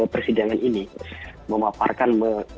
persidangan ini memaparkan